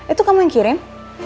itu kamu yang kirim